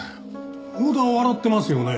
小田は笑ってますよね。